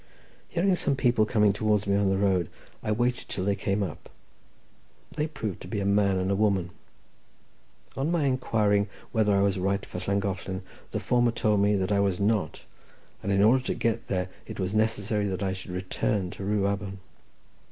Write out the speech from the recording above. Hearing some people coming towards me on the road, I waited till they came up; they proved to be a man and a woman. On my inquiring whether I was right for Llangollen, the former told me that I was not, and in order to get there it was necessary that I should return to Rhiwabon.